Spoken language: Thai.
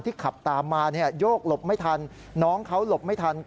ขับตามมาเนี่ยโยกหลบไม่ทันน้องเขาหลบไม่ทัน